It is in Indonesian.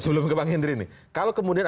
sebelum kebangin diri ini kalau kemudian